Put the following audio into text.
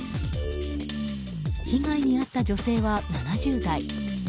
被害に遭った女性は７０代。